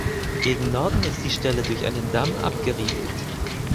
Gegen Norden ist die Stelle durch einen Damm abgeriegelt.